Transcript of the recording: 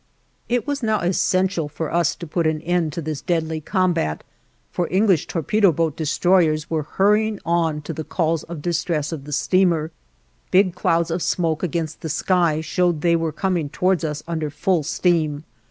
It was now essential for us to put an end to this deadly combat, for English torpedo boat destroyers were hurrying on to the calls of distress of the steamer. Big clouds of smoke against the sky showed they were coming towards us under full steam.